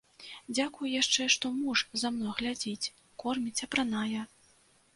Дзякуй яшчэ, што муж за мной глядзіць, корміць, апранае.